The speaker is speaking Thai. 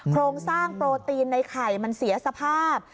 โครงสร้างโปรตีนในไข่มันเสียสภาพ